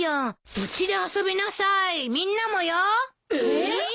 うちで遊びなさいみんなもよ。え？